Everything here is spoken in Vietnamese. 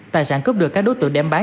tài sản cướp được các đối tượng đem bán